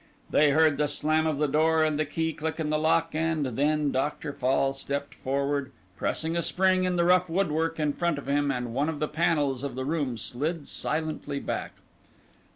They heard the slam of the door, and the key click in the lock, and then Dr. Fall stepped forward, pressed a spring in the rough woodwork in front of him and one of the panels of the room slid silently back.